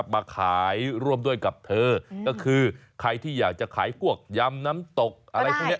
มาขายร่วมด้วยกับเธอก็คือใครที่อยากจะขายพวกยำน้ำตกอะไรพวกนี้